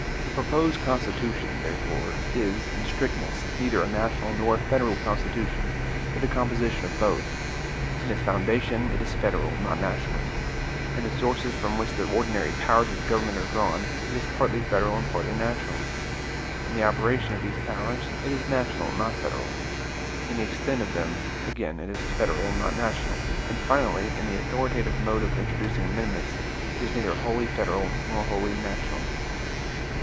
The proposed Constitution, therefore, is, in strictness, neither a national nor a federal Constitution, but a composition of both. In its foundation it is federal, not national; in the sources from which the ordinary powers of the government are drawn, it is partly federal and partly national; in the operation of these powers, it is national, not federal; in the extent of them, again, it is federal, not national; and, finally, in the authoritative mode of introducing amendments, it is neither wholly federal nor wholly national.